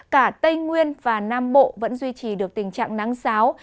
cả tây nguyên và nam bộ vẫn duy trì được tình trạng nắng sáo